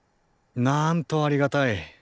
なんとありがたい。